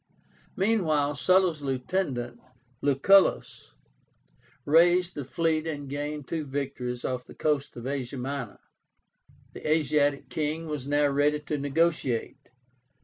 Meanwhile Sulla's lieutenant, LUCULLUS, raised a fleet and gained two victories off the coast of Asia Minor. The Asiatic king was now ready to negotiate.